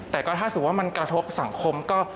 แต่ก็ถ้าสมมุติว่ามันกระทบสังคมก็